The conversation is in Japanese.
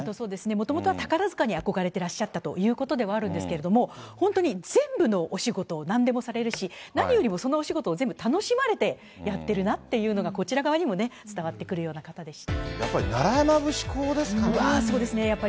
もともとは宝塚に憧れてらっしゃったということではあるんですけれども、本当に全部のお仕事をなんでもされるし、何よりもそのお仕事を、全部楽しまれてやってるなっていうのが、こちら側にも伝わってくるような方でした。